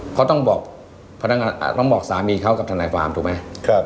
เขาต้องบอกสามีเขากับทันไหนฟาร์มถูกไหม